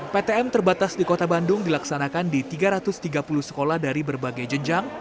ptm terbatas di kota bandung dilaksanakan di tiga ratus tiga puluh sekolah dari berbagai jenjang